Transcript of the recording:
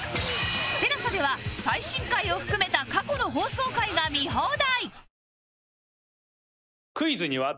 ＴＥＬＡＳＡ では最新回を含めた過去の放送回が見放題！